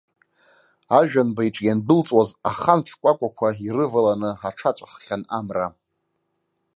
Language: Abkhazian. Ажәанба иҿы иандәылҵуаз ахан шкәакәақәа ирываланы аҽаҵәаххьан амра.